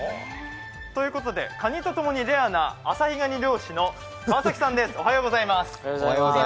ということでかにと共にレアなアサヒガニ漁の川崎さんです。